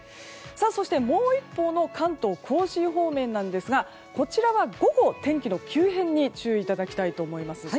そして、もう一方の関東・甲信方面なんですがこちらは午後、天気の急変に注意いただきたいと思います。